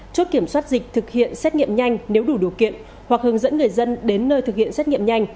chốt kiểm soát dịch thực hiện xét nghiệm nhanh nếu đủ điều kiện hoặc hướng dẫn người dân đến nơi thực hiện xét nghiệm nhanh